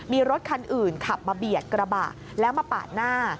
มีรถคันอื่นขับมาเบียดกระบะแล้วมาปาดหน้า